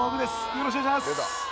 よろしくお願いします